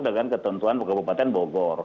dengan ketentuan kabupaten bogor